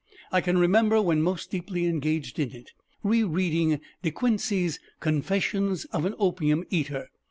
I can remember when most deeply engaged in it, re reading DE QUINCEY'S "Confessions of an Opium Eater."